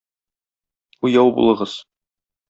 Уяу булыгыз!